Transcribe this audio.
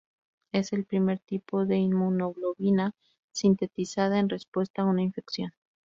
Es el primer tipo de inmunoglobulina sintetizada en respuesta a una infección.